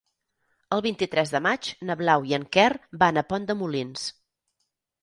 El vint-i-tres de maig na Blau i en Quer van a Pont de Molins.